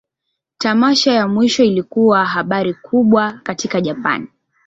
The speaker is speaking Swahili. Tamasha ya mwisho ilikuwa habari kubwa katika Japan.